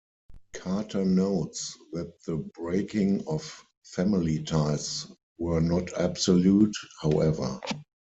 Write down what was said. Carter notes that the breaking of family ties were not absolute, however.